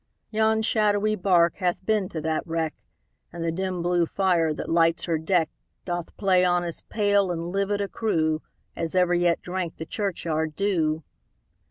Yon shadowy bark hath been to that wreck, And the dim blue fire, that lights her deck, Doth play on as pale and livid a crew, As ever yet drank the churchyard dew.